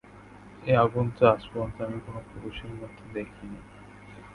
এ আগুন তো আজ পর্যন্ত আমি কোনো পুরুষের মধ্যে দেখি নি।